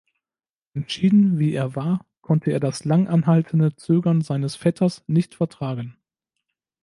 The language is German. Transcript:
Entschieden wie er war, konnte er das lang anhaltende Zögern seines Vetters nicht vertragen.